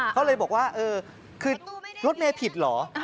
เขาเลยบอกว่ารถเมย์ผิดเหรอ